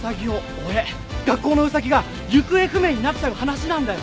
学校のウサギが行方不明になっちゃう話なんだよ。